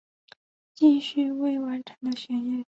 继续未完成的学业